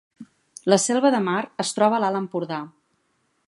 La Selva de Mar es troba a l’Alt Empordà